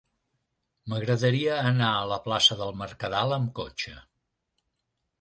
M'agradaria anar a la plaça del Mercadal amb cotxe.